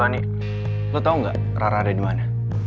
halo ani lo tau gak rara ada dimana